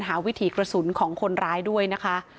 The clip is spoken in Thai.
วิถีกระสุนของคนร้ายด้วยนะคะ